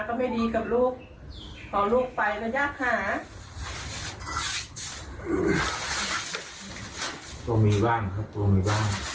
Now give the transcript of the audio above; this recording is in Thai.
ตัวมีบ้านแต่เวลาลูกดื้อแบบ